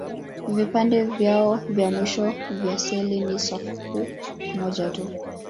Vipande vyao vya mwisho vya seli ni safu moja tu.